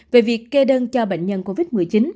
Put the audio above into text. về việc kê đơn cho bệnh nhân covid một mươi chín